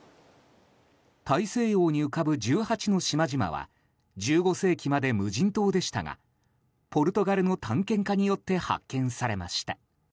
大西洋に浮かぶ１８の島々は１５世紀まで無人島でしたがポルトガルの探検家によって発見されました。